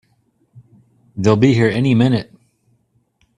They'll be here any minute!